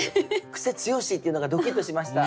「クセ強し」っていうのがドキッとしました